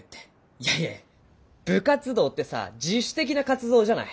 いやいや部活動ってさ自主的な活動じゃない。